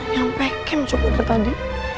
yang pekem cukup ngerit tadi